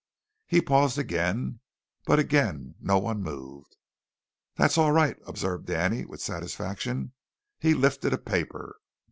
He paused again, but again no one moved. "That's all right," observed Danny with satisfaction. He lifted a paper.